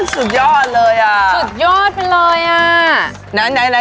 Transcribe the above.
สุดยอดเลย